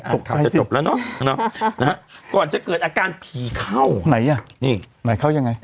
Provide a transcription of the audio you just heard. ข่าวจะจบแล้วเนอะนะฮะก่อนจะเกิดอาการผีเข้าไหนอ่ะนี่หมายเข้ายังไง